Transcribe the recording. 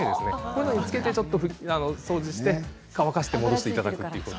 こういうのにつけてちょっと掃除して乾かして戻していただくっていうことを。